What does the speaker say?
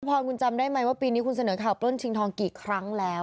พรคุณจำได้ไหมว่าปีนี้คุณเสนอข่าวปล้นชิงทองกี่ครั้งแล้ว